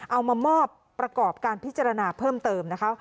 เอามามอบประกอบการพิจารณาเพิ่มเติมนะคะ